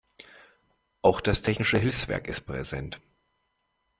Auch das Technische Hilfswerk ist präsent.